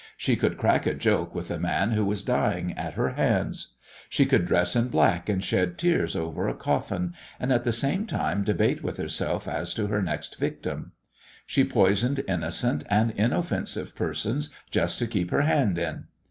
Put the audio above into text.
She could crack a joke with a man who was dying at her hands. She could dress in black and shed tears over a coffin, and at the same time debate with herself as to her next victim. She poisoned innocent and inoffensive persons just to keep her hand in.